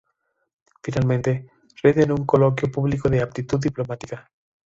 Finalmente, rinden un Coloquio Público de Aptitud Diplomática.